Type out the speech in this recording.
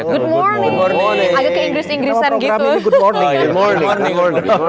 agak ke inggris inggrisan gitu